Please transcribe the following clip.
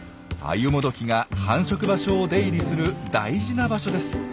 アユモドキが繁殖場所を出入りする大事な場所です。